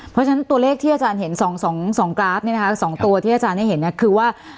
เพราะฉะนั้นตัวเลขที่อาจารย์เห็น๒กราฟเนี่ยนะคะ๒ตัวที่อาจารย์ให้เห็นคือว่า